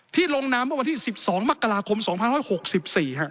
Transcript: ที่ลงนำเมื่อวันที่๑๒มกราคม๒๐๖๔ครับ